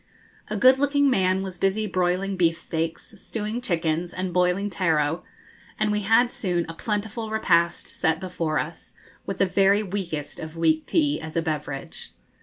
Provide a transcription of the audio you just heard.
A good looking man was busy broiling beef steaks, stewing chickens, and boiling taro, and we had soon a plentiful repast set before us, with the very weakest of weak tea as a beverage.